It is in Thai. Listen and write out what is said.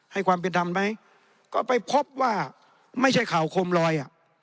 ความเป็นธรรมไหมก็ไปพบว่าไม่ใช่ข่าวโคมลอยอ่ะ